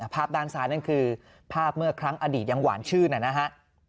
ภาพด้านซ้ายนั่นคือภาพเมื่อครั้งอดีตยังหวานชื่นนะฮะ